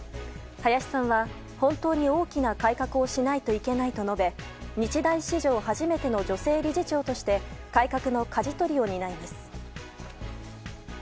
林さんは本当に大きな改革をしないといけないと述べ日大史上初めての女性理事長として改革のかじ取りを担います。